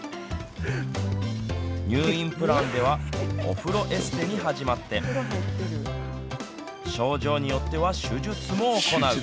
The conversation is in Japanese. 入院プランではお風呂エステに始まって症状によっては手術も行う。